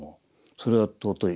それは尊い